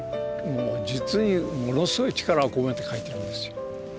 もう実にものすごい力を込めて書いてるんですよ。